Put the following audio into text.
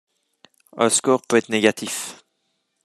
Un score peut être négatif.